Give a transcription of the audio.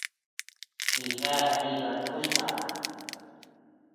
Jijea iba kuchbaʼa.